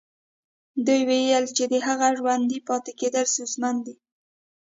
دوی ويل چې د هغه ژوندي پاتې کېدل ستونزمن دي.